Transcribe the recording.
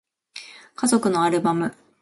家族のアルバム